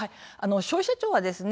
消費者庁はですね